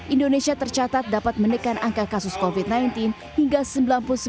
indonesia tercatat dapat menekan angka kasus covid sembilan belas hingga sembilan puluh sembilan persen